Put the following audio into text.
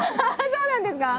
そうなんですか？